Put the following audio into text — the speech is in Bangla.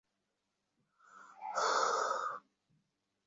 এতদিন পরে কুমুর মন্দভাগ্যের তেপান্তর মাঠ পেরিয়ে এল রাজপুত্র ছদ্মবেশে।